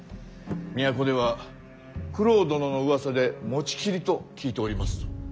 都では九郎殿のうわさで持ちきりと聞いておりますぞ。